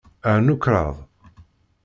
Rnu kraḍ.